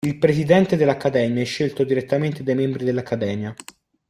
Il presidente dell'Accademia è scelto direttamente dai membri dell'Accademia.